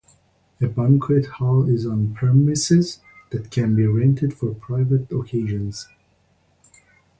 A banquet hall is on premises that can be rented for private occasions.